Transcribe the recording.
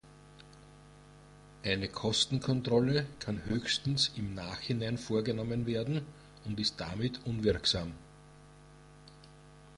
Eine Kostenkontrolle kann höchstens im Nachhinein vorgenommen werden und ist damit unwirksam.